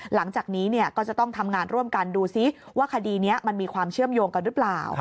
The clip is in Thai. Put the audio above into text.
หลังจากนี้ก็จะต้องทำงานร่วมกันดูซิว่าคดีนี้มันมีความเชื่อมโยงกันหรือเปล่า